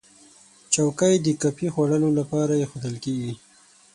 چوکۍ د کافي خوړلو لپاره ایښودل کېږي.